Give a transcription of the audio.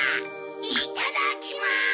いただきます！